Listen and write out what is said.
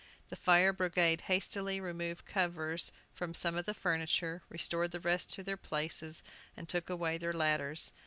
The fire brigade hastily removed covers from some of the furniture, restored the rest to their places, and took away their ladders.